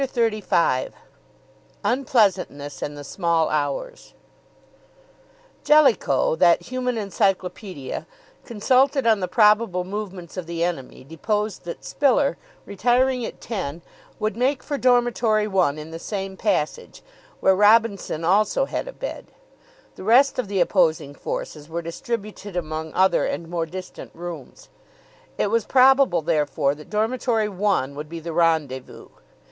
CHAPTER XXXV UNPLEASANTNESS IN THE SMALL HOURS Jellicoe, that human encyclopaedia, consulted on the probable movements of the enemy, deposed that Spiller, retiring at ten, would make for Dormitory One in the same passage, where Robinson also had a bed. The rest of the opposing forces were distributed among other and more distant rooms. It was probable, therefore, that Dormitory One would be the rendezvous.